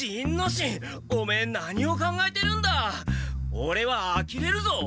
オレはあきれるぞ！